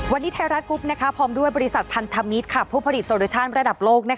วันนี้ไทยรัฐกรุ๊ปพร้อมด้วยบริษัทพันธมิตรผู้ผลิตโซรชั่นระดับโลก